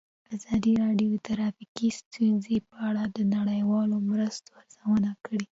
ازادي راډیو د ټرافیکي ستونزې په اړه د نړیوالو مرستو ارزونه کړې.